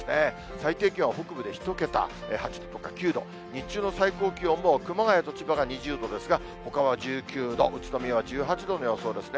最低気温は北部で１桁、８度とか９度、日中の最高気温も、熊谷と千葉が２０度ですが、ほかは１９度、宇都宮は１８度の予想ですね。